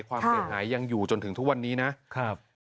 ความเห็นหายังอยู่จนถึงทุกวันนี้นะ